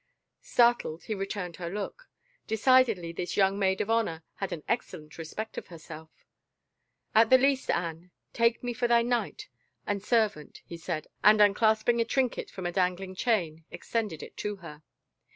Startled, he returned her look. Decidedly this young maid of honor had an excellent respect for herself! " At the least, Anne, take me for thy knight and serv 76 THE INTERVIEW ant/' he said, and unclasping a trinket from a dangling diain^ extended it to her.